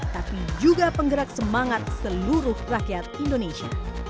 tapi juga penggerak semangat seluruh rakyat indonesia